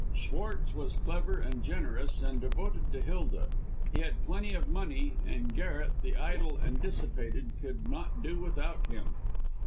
Schwartz was clever and generous, and devoted to Hilda; he had plenty of money, and Garret, the idle and dissipated, could not do without him.